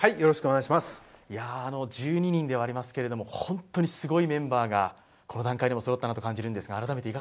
１２人ではありますけど、本当にすごいメンバーがこの段階でそろったと思いますが。